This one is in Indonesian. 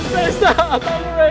tidak boleh lagi pak